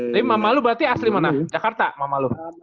tapi mama lu berarti asli mana jakarta mama lu